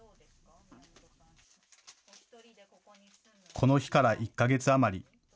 この日から１か月余り。